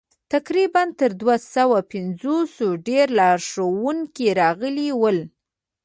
تقریباً تر دوه سوه پنځوسو ډېر لارښوونکي راغلي ول.